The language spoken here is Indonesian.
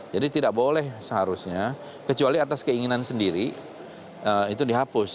jadi tidak boleh seharusnya kecuali atas keinginan sendiri itu dihapus